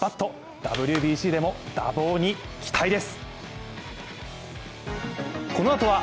ＷＢＣでも打棒に期待です。